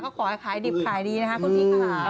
ก็ขอให้ขายดิบขายดีนะครับคุณพีชครับ